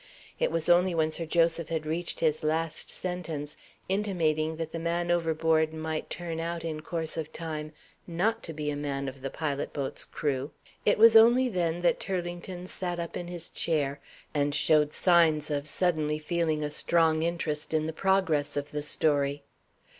It was only when Sir Joseph had reached his last sentence intimating that the man overboard might turn out in course of time not to be a man of the pilot boat's crew it was only then that Turlington sat up in his chair, and showed signs of suddenly feeling a strong interest in the progress of the story.